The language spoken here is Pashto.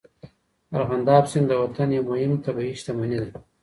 ارغنداب سیند د وطن یو مهم طبیعي شتمني ده.